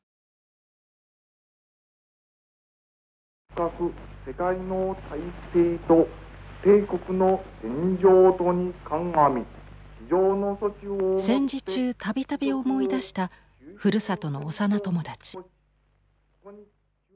深く世界の大勢と帝国の現状とに鑑み戦時中度々思い出したふるさとの幼友達。